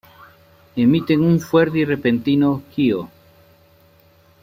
Emiten un fuerte y repentino "kio".